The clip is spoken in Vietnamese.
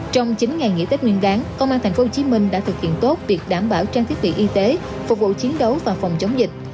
trong chín ngày nghỉ tết nguyên đáng công an tp hcm đã thực hiện tốt việc đảm bảo trang thiết bị y tế phục vụ chiến đấu và phòng chống dịch